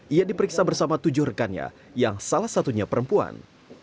ia diperiksa bersama tujuh rekannya yang salah satunya perempuan